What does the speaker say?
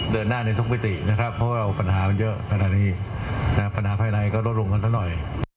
เดินหน้าในทุกมิตินะครับเพราะว่าปัญหามันเยอะขนาดนี้ปัญหาภายในก็ลดลงกันซะหน่อย